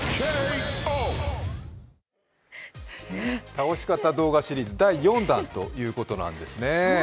倒し方動画シリーズ第４弾ということなんですね。